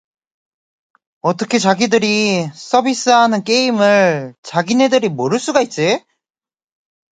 어떻게 자기들이 서비스하는 게임을 자기네들이 모를 수가 있지?